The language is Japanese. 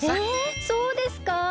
えそうですか？